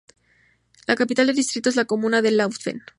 La capital del distrito es la comuna de Laufen.